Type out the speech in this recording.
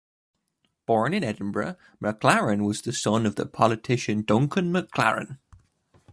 Born in Edinburgh, McLaren was the son of the politician Duncan McLaren.